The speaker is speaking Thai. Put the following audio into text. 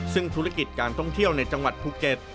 ซึ่งธุรกิจการท่องเที่ยวในจังหวัดภูเก็ต